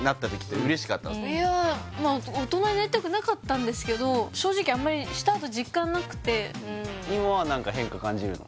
いや大人になりたくなかったんですけど正直あんまり今は何か変化感じるの？